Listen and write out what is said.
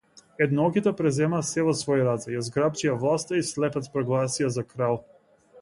Еднооките преземаа сѐ во свои раце, ја зграпчија власта и слепец прогласија за крал.